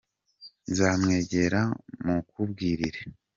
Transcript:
Nzamwegera mukubwirire